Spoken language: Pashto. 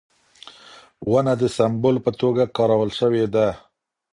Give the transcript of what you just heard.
ونه د سمبول په توګه کارول شوې ده.